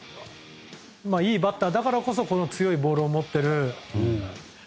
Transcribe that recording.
いいバッターだからこそ強いボールを持っている。